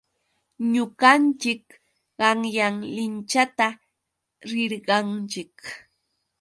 Ñuqanchik qanyan linchata rirqanchik.